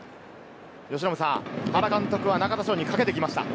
由伸さん、原監督は中田翔にかけてきました。